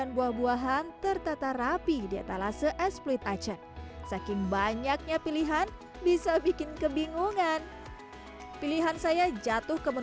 nah kedai dessert populer